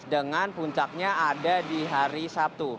dengan puncaknya ada di hari sabtu